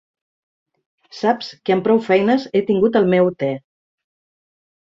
Saps que amb prou feines he tingut el meu te.